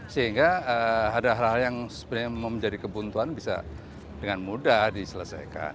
sehingga ada hal hal yang sebenarnya menjadi kebuntuan bisa dengan mudah diselesaikan